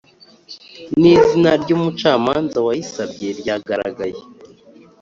n izina ry umucamanza wayisabye ryaragaragaye